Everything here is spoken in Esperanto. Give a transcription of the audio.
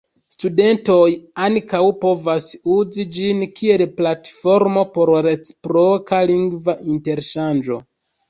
Studentoj ankaŭ povas uzi ĝin kiel platformo por reciproka lingva interŝanĝo.